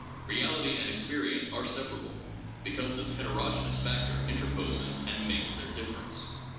Keality and experience are separable, because this heterogeneous factor interposes and makes their difference.